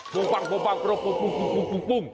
ปุ้งปังปุ้งปุ้ง